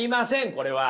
これは。